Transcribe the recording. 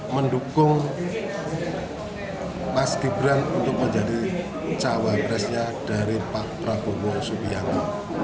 mendukung mas gibran untuk menjadi bacawo presnya dari pak prabowo supianto